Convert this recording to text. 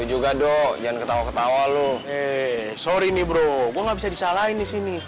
juga dong jangan ketawa ketawa lu eh sorry nih bro gua nggak bisa disalahin di sini